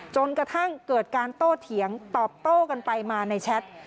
จนกระทั่งเกิดการโต้เถียงตอบโต้กันไปมาในแชท